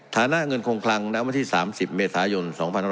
ฐานะเงินคงคลังณวันที่๓๐เมษายน๒๕๖๒